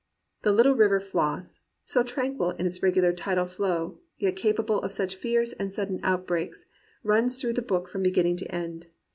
The little river Floss, so tranquil in its regular tidal flow, yet capable of such fierce and sudden outbreaks, runs through the book from beginning to end.